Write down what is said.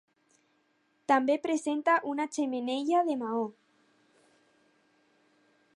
També presenta una xemeneia de maó.